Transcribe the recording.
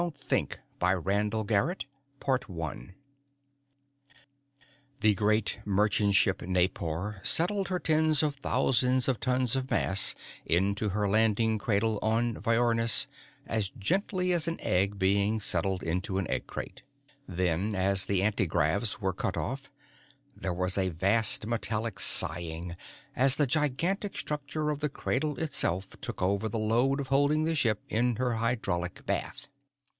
Phillip Dachboden_ I The great merchantship Naipor settled her tens of thousands of tons of mass into her landing cradle on Viornis as gently as an egg being settled into an egg crate, and almost as silently. Then, as the antigravs were cut off, there was a vast, metallic sighing as the gigantic structure of the cradle itself took over the load of holding the ship in her hydraulic bath.